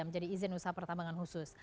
menjadi izin usaha pertambangan khusus